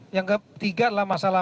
yang ketiga adalah masalah